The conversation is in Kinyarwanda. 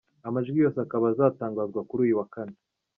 Amajwi yose akaba azatangazwa kuri uyu wa kane.